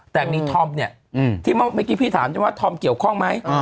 แต่มีธอมเนี่ยที่เมื่อกี้พี่ถามได้ว่าธอมเกี่ยวข้องไหม